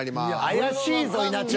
怪しいぞ稲ちゃん。